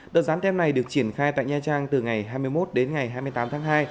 đợt gián tem này được triển khai tại nha trang từ ngày hai mươi một đến ngày hai mươi tám tháng hai